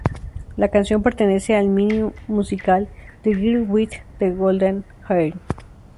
La canción pertenece al mini-musical "The Girl With The Golden Hair".